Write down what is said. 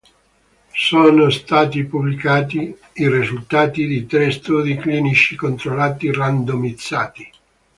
Sono stati pubblicati i risultati di tre studi clinici controllati randomizzati.